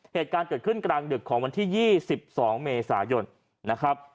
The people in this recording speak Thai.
เหตุการณ์เกิดขึ้นกลางดึกของวันที่๒๒เมษายนนะครับ